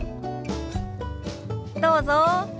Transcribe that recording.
どうぞ。